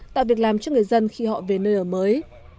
tạo việc làm cho người dân khi họ về nơi ở mới